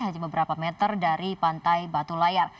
hanya beberapa meter dari pantai batu layar